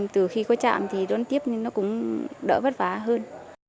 từ khi có trạm thì đón tiếp cũng đỡ vất vả hơn